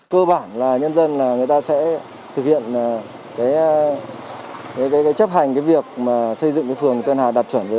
cơ bản là nhân dân người ta sẽ thực hiện chấp hành việc xây dựng phường tân hà